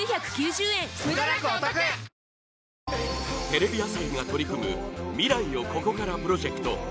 テレビ朝日が取り組む未来をここからプロジェクト